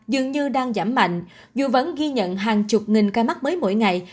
dường như đang giảm mạnh dù vẫn ghi nhận hàng chục nghìn ca mắc mới mỗi ngày